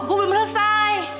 gue belum selesai